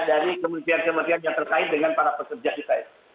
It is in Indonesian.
dari kemampuan kemampuan yang terkait dengan para pekerja kita